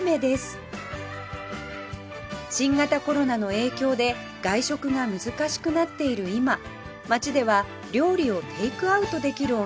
新型コロナの影響で外食が難しくなっている今町では料理をテイクアウトできるお店が急増中